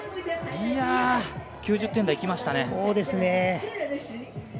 ９０点台、いきましたね。